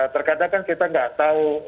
terkadang kan kita nggak tahu